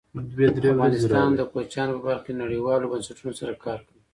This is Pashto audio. افغانستان د کوچیانو په برخه کې نړیوالو بنسټونو سره کار کوي.